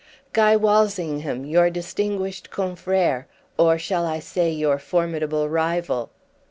"Guy Walsingham, your distinguished confrère—or shall I say your formidable rival?"